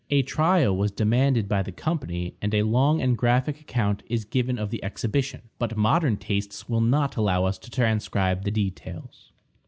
A trial was demanded by the company, and a long and graphic account is given of the exhibition, but modern tastes will not allow us to transcribe the details.